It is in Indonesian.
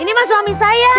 ini mah suami saya